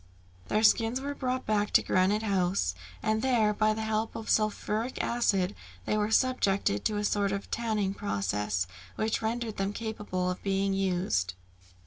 Their skins were brought back to Granite House, and there, by the help of sulphuric acid, they were subjected to a sort of tanning process which rendered them capable of being used.